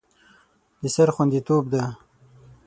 د سر خوندیتوب ده.